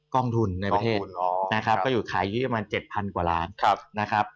กองทุนในประเทศนะครับก็อยู่ขายอยู่ที่ประมาณ๗๐๐กว่าล้านนะครับ